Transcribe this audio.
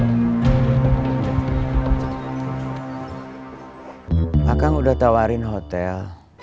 pak kang udah tawarin hotel